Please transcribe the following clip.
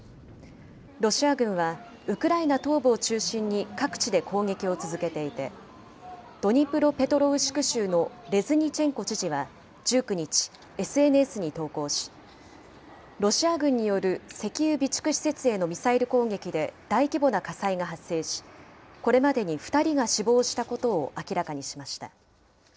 ロシア軍は、ウクライナ東部を中心に、各地で攻撃を続けていて、ドニプロペトロウシク州のレズニチェンコ知事は１９日、ＳＮＳに投稿し、ロシア軍による石油備蓄施設へのミサイル攻撃で大規模な火災が発生し、これまでに２人が死亡したことを明らかにしました。